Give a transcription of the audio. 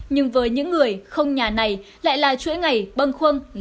nhưng với những người không nhà này lại là chuỗi ngày bâng khuâng lạnh lẽo nhất